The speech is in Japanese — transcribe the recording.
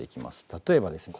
例えばですね